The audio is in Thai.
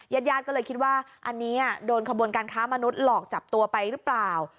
ญาติญาติก็เลยคิดว่าอันนี้โดนขบวนการค้ามนุษย์หลอกจับตัวไปหรือเปล่า